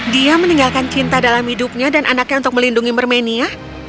dia meninggalkan cinta dalam hidupnya dan anaknya untuk melindungi mermenia